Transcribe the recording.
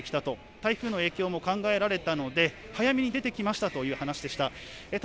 台風の影響も考えられたので、早めに出てきましたという話でした。